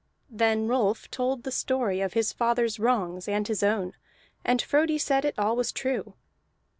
Then Rolf told the story of his father's wrongs and his own, and Frodi said it all was true.